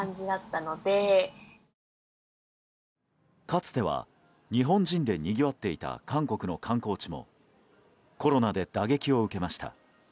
かつては日本人でにぎわっていた韓国の観光地もコロナで打撃を受けました。